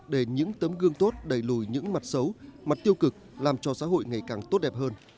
để những tấm gương tốt đẩy lùi những mặt xấu mặt tiêu cực làm cho xã hội ngày càng tốt đẹp hơn